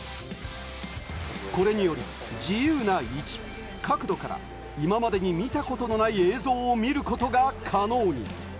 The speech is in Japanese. これにより自由な位置、角度から今までに見たことのない映像を見ることが可能に。